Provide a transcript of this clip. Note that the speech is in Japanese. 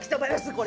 これ。